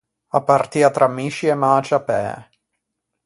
A partia tra misci e mäciappæ.